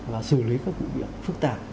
và xử lý các vụ việc phức tạp